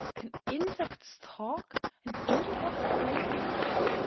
Can Insects talk, and do they have brains?